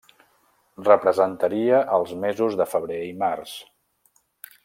Representaria els mesos de febrer i març.